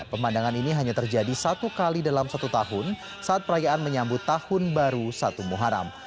pemandangan ini hanya terjadi satu kali dalam satu tahun saat perayaan menyambut tahun baru satu muharam